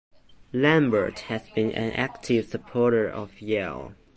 Lambert has been an active supporter of Yale.